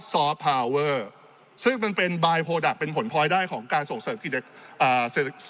ซอสพาวเวอร์ซึ่งมันเป็นเป็นผลพลอยได้ของการส่งเสร็จอ่า